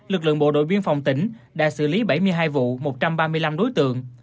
lực lượng bộ đội biên phòng tỉnh đã xử lý bảy mươi hai vụ một trăm ba mươi năm đối tượng